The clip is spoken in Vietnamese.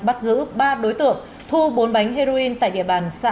bắt giữ ba đối tượng thu bốn bánh heroin tại địa bàn xã